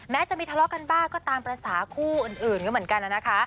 จะมีทะเลาะกันบ้างก็ตามภาษาคู่อื่นก็เหมือนกันนะคะ